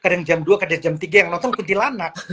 kadang jam satu kadang jam dua kadang jam tiga yang nonton kuntilanak